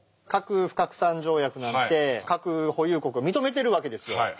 核不拡散条約なんて核保有国を認めてるわけですよ。